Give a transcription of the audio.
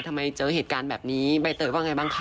ทำไมเจอเหตุการณ์แบบนี้ใบเตยว่าไงบ้างคะ